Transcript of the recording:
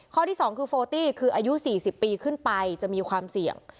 ข้อที่๒คือโฟตี้คืออายุ๔๐ปีขึ้นไปจะมีความเสี่ยง